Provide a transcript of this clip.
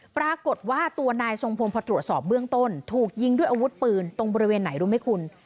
ปรากฏว่าตัวนายทรงพงศ์พอตรวจสอบเบื้องต้นถูกยิงด้วยอาวุธปืนตรงบริเวณไหนรู้ไหมคุณ